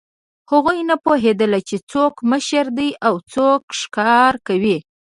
هغوی نه پوهېدل، چې څوک مشر دی او څوک ښکار کوي.